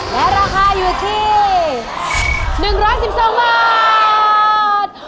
และราคาอยู่ที่๑๑๒บาท